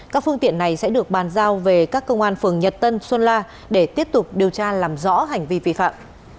các phương tiện này sẽ được bàn giao về các công an phường nhật tân xuân la để tiếp tục điều tra làm rõ hành vi vi phạm